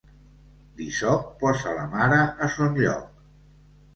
L'hisop posa la mare a son lloc.